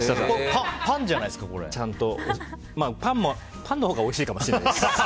パンのほうがおいしいかもしれないです。